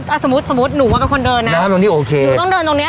สมมุติสมมุติหนูว่าเป็นคนเดินนะน้ำตรงนี้โอเคต้องเดินตรงเนี้ย